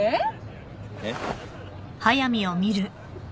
えっ？